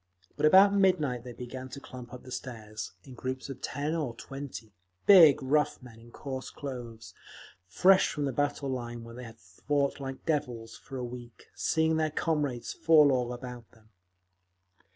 But about midnight they began to clump up the stairs, in groups of ten or twenty—big, rough men, in coarse clothes, fresh from the battle line, where they had fought like devils for a week, seeing their comrades fall all about them.